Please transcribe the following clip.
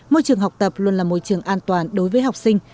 môi trường học tập luôn là môi trường an toàn đối với học sinh